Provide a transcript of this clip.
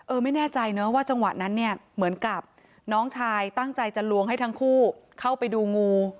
ไม่แน่ใจเนอะว่าจังหวะนั้นเนี่ยเหมือนกับน้องชายตั้งใจจะลวงให้ทั้งคู่เข้าไปดูงู